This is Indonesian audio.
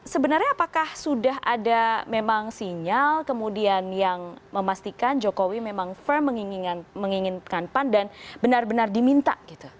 sebenarnya apakah sudah ada memang sinyal kemudian yang memastikan jokowi memang firm menginginkan pan dan benar benar diminta